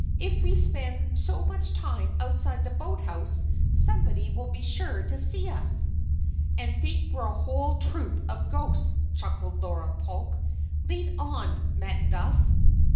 If we spend so much time outside the boathouse, somebody will be sure to see us." "And think we're a whole troop of ghosts," chuckled Laura Polk. "Lead on, Macduff!"